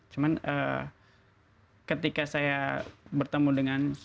cuman ketika saya bertemu dengan seorang dokter